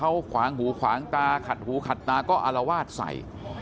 เขาขวางหูขวางตาขัดหูขัดตาก็อารวาสใส่